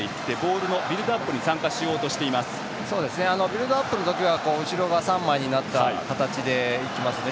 ビルドアップのときは後ろが３枚になった形でいきますね。